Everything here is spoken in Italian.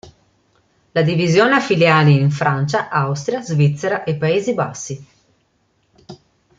La divisione ha filiali in Francia, Austria, Svizzera e Paesi Bassi.